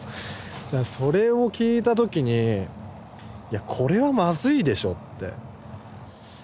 それを聞いた時にいやこれはまずいでしょって。